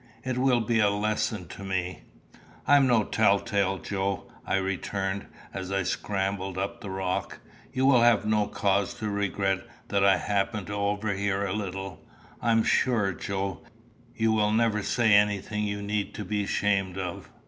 It will be a lesson to me." "I'm no tell tale, Joe," I returned, as I scrambled up the rock. "You will have no cause to regret that I happened to overhear a little. I am sure, Joe, you will never say anything you need be ashamed of.